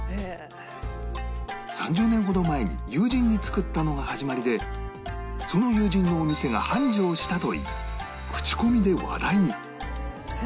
３０年ほど前に友人に作ったのが始まりでその友人のお店が繁盛したといい口コミで話題に